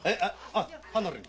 あ離れに。